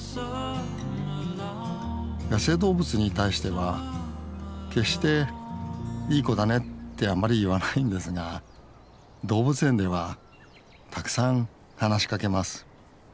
野生動物に対しては決して「いい子だね」ってあまり言わないんですが動物園ではたくさん話しかけます。